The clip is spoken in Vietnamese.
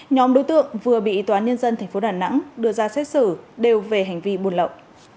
nhóm đối tượng vừa bị tòa nhân dân tp đà nẵng đưa ra xét xử đều về hành vi buôn lậu